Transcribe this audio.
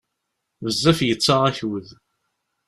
Bezzaf yettaɣ akud.